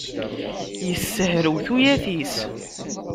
Issehrew tuyat-is.